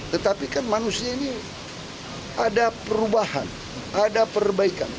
tetapi kan manusia ini ada perubahan ada perbaikan